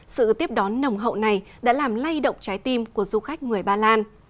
sự tiếp đón nồng hậu này đã làm lay động trái tim của du khách người ba lan